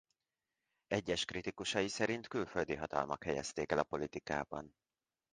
Egyes kritikusai szerint külföldi hatalmak helyezték el a politikában.